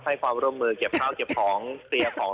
ให้ความร่วมมือเก็บข้าวเก็บของ